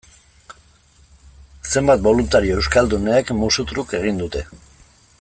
Zenbait boluntario euskaldunek, musu truk, egin dute.